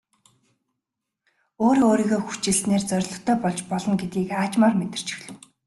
Өөрөө өөрийгөө хүчилснээр зорилготой болж болно гэдгийг аажмаар мэдэрч эхлэв.